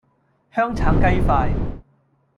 香橙雞塊